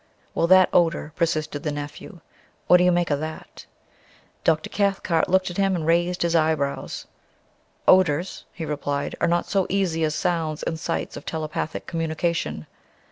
"Well that odour...?" persisted the nephew. "What do you make of that?" Dr. Cathcart looked at him and raised his eyebrows. "Odours," he replied, "are not so easy as sounds and sights of telepathic communication.